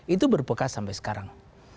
itu berbekas sampai sekarang